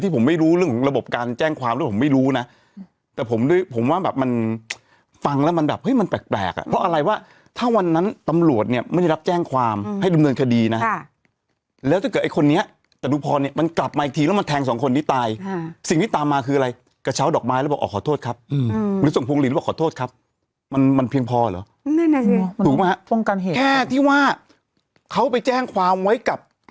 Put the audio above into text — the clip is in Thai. เพราะอะไรว่าถ้าวันนั้นตำรวจเนี่ยไม่ได้รับแจ้งความให้ดุมเนินคดีนะแล้วถ้าเกิดไอ้คนนี้แต่ดูพอเนี่ยมันกลับมาอีกทีแล้วมันแทงสองคนที่ตายสิ่งที่ตามมาคืออะไรกระเช้าดอกไม้แล้วบอกอ่อขอโทษครับหรือส่งพวงหลีแล้วบอกขอโทษครับมันมันเพียงพอหรอถูกไหมครับแค่ที่ว่าเขาไปแจ้งความไว้กับ